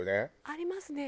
ありますね。